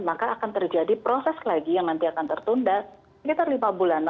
maka akan terjadi proses lagi yang nanti akan tertunda sekitar lima bulan